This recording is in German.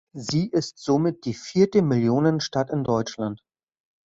Sie ist somit die vierte Millionenstadt in Deutschland.